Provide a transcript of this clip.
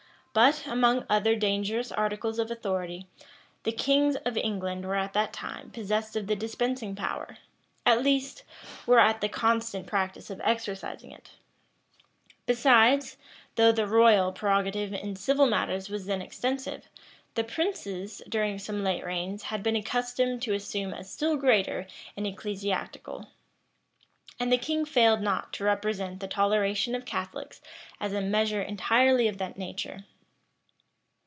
But, among other dangerous articles of authority, the kings of England were at that time possessed of the dispensing power; at least, were at the constant practice of exercising it. Besides, though the royal prerogative in civil matters was then extensive, the princes, during some late reigns, had been accustomed to assume a still greater in ecclesiastical. And the king failed not to represent the toleration of Catholics as a measure entirely of that nature.